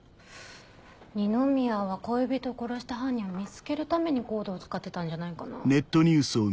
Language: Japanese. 二宮は恋人殺した犯人を見つけるためにＣＯＤＥを使ってたんじゃないかな。